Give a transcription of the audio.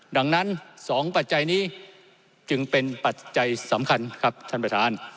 ดังนั้น๒ปัจจัยนี้จึงเป็นปัจจัยสำคัญครับท่านประธาน